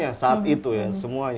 dulu saat kita mendapatkan akun